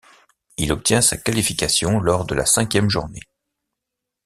Il obtient sa qualification lors de la cinquième journée.